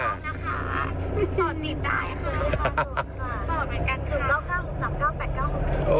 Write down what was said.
อะไรครับ